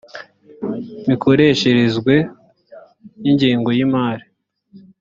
mikoresherezwe y ingengo y imari